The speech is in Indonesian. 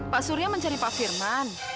pak surya mencari pak firman